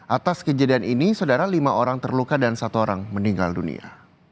atas kejadian ini saudara lima orang terluka dan satu orang meninggal dunia